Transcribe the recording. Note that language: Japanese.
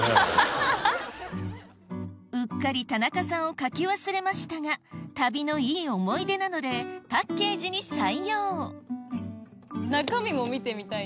うっかり田中さんを描き忘れましたが旅のいい思い出なのでパッケージに採用中身も見てみたいです。